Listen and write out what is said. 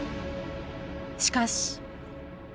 しかし。